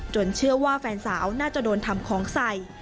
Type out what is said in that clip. เชื่อว่าแฟนสาวน่าจะโดนทำของใส่